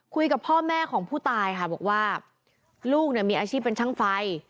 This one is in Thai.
คุยกับพ่อแม่ของผู้ตายค่ะบอกว่าลูกเนี่ยมีอาชีพเป็นช่างไฟ